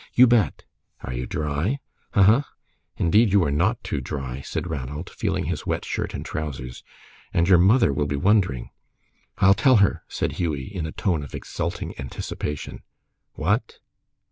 "You bet!" "Are you dry?" "Huh, huh." "Indeed, you are not too dry," said Ranald, feeling his wet shirt and trousers, "and your mother will be wondering." "I'll tell her," said Hughie, in a tone of exulting anticipation. "What!"